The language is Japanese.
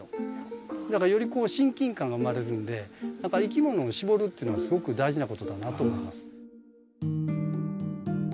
だからより親近感が生まれるんで何かいきものをしぼるっていうのはすごく大事なことだなと思います。